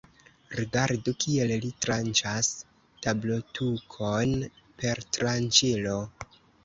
Rigardu, kiel li tranĉas tablotukon per tranĉilo!